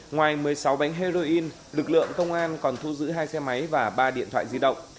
ngoài một mươi sáu bánh heroin lực lượng công an còn thu giữ hai xe máy và ba điện thoại di động